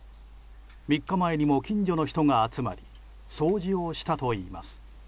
３日前にも近所の人が集まり掃除をしたといいます。